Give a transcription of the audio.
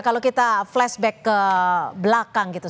kalau kita flashback ke belakang gitu